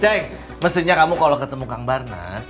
ceng mestinya kamu kalau ketemu kang barnas